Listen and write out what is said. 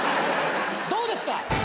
どうですか？